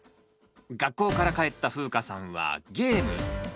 学校から帰ったふうかさんはゲーム。